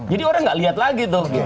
orang nggak lihat lagi tuh